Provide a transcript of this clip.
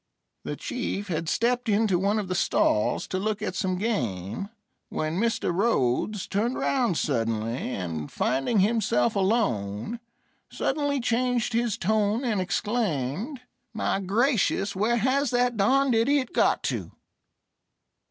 The Chief had stepped into one of the stalls to look at some game, when Mr. Rhodes turned round suddenly, and, finding himself alone, suddenly changed his tone and exclaimed: "My gracious, where has that darned idiot got to?"